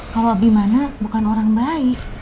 kalau abimana bukan orang baik